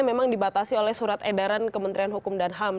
memang dibatasi oleh surat edaran kementerian hukum dan ham